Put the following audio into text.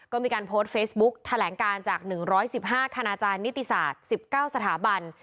ก็มีการโพสต์เฟซบุ๊กแถลงการจาก๑๑๕คณาจารย์นิติศาสตร์๑๙สถาบัน